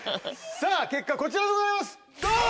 さぁ結果こちらでございますドン！